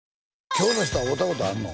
今日の人は会うたことあんの？